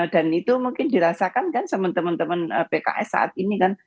dan itu mungkin dirasakan kan teman teman pks saat ini kan